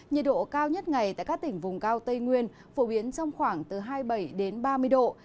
nhiệt độ cao nhất ngày tại các tỉnh vùng cao tây nguyên phổ biến trong khoảng từ hai mươi bảy đến ba mươi độ